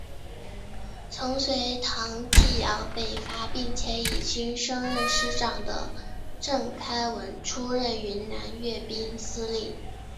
曾随唐继尧北伐并且已经升任师长的郑开文出任云南宪兵司令。